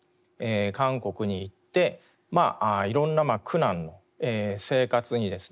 韓国に行っていろんな苦難の生活にですね